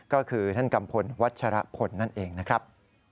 ก็คือท่านกัมพลวัชรพลนั่นเองนะครับ